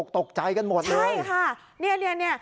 ตกใจกันหมดเลยใช่ค่ะเนี่ย